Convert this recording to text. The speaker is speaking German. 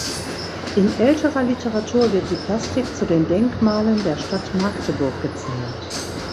In älterer Literatur wird die Plastik zu den Denkmalen der Stadt Magdeburg gezählt.